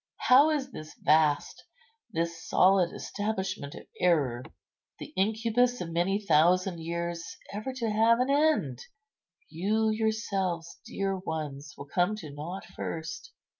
How is this vast, this solid establishment of error, the incubus of many thousand years, ever to have an end? You yourselves, dear ones, will come to nought first.